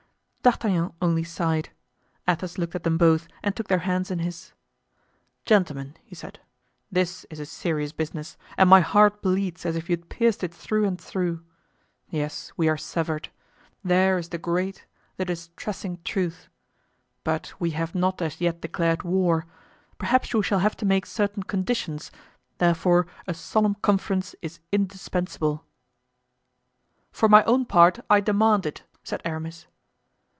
D'Artagnan only sighed. Athos looked at them both and took their hands in his. "Gentlemen," he said, "this is a serious business and my heart bleeds as if you had pierced it through and through. Yes, we are severed; there is the great, the distressing truth! But we have not as yet declared war; perhaps we shall have to make certain conditions, therefore a solemn conference is indispensable." "For my own part, I demand it," said Aramis.